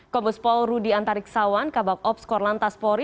komus pol rudi antarik sawan kabupat ops korlantas polri